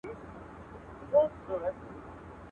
چي پيل ساتې، پيل خانې به جوړوې.